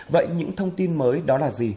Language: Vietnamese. vậy những thông tin mới đó là gì